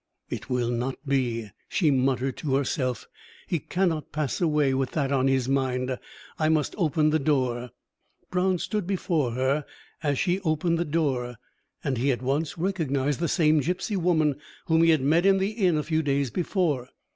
"It will not be," she muttered to herself. "He cannot pass away with that on his mind; I must open the door." Brown stood before her as she opened the door, and he at once recognised the same gipsy woman whom he had met in the inn a few days before.